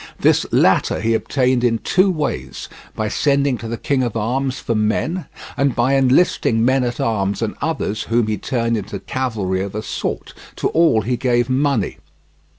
This latter he obtained in two ways, by sending to the King of France for men and by enlisting men at arms and others whom he turned into cavalry of a sort: to all he gave money.